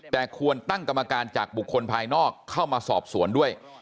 แต่ควรตั้งกรรมการจากบุคคลภายนอกเข้ามาสอบสวนด้วย